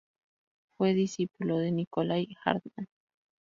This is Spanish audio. Fue discípulo de Nicolai Hartmann.